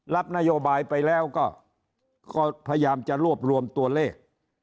รับนโยบายไปแล้วก็พยายามจะรวบรวมตัวเลข